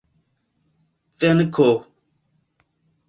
venko